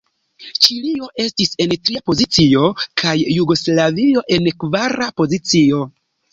Ĉilio estis en tria pozicio, kaj Jugoslavio en kvara pozicio.